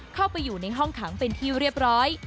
เข้าไปอยู่ในห้องขังเป็นที่เรียบร้อย